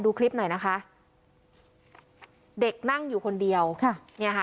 ดูคลิปหน่อยนะคะเด็กนั่งอยู่คนเดียวค่ะเนี่ยค่ะ